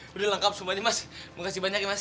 udah udah lengkap sumpah nih mas makasih banyak ya mas